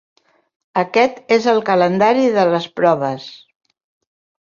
Aquest és el calendari de les proves.